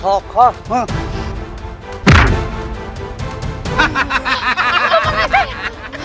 apa yang terjadi